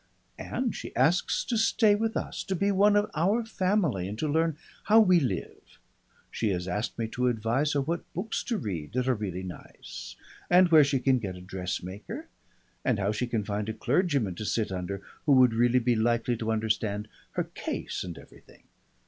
And she asks to stay with us, to be one of our family, and to learn how we live. She has asked me to advise her what books to read that are really nice, and where she can get a dress maker, and how she can find a clergyman to sit under who would really be likely to understand her case, and everything.